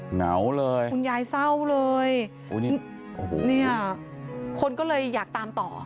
เหงาเลยคุณยายเศร้าเลยโอ้โหเนี่ยคนก็เลยอยากตามต่อ